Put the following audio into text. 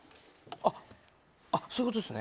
あっ、そういうことですね。